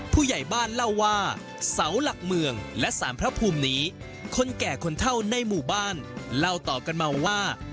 ผู้ใหญ่บ้านเล่าว่าเสาหลักเมืองและสารพระภูมินี้คนแก่คนเท่าในหมู่บ้านเล่าต่อกันมาว่า